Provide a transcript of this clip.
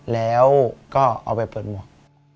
แล้วก็เอาไปเปิดหมวก